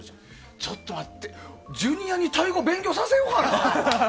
ちょっと待ってジュニアにタイ語勉強させようかな。